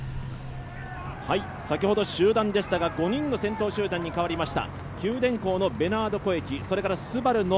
先ほど集団でしたが、５人の先頭集団に変わりました。